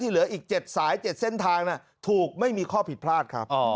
เหลืออีก๗สาย๗เส้นทางถูกไม่มีข้อผิดพลาดครับ